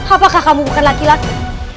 apakah kamu bukan laki laki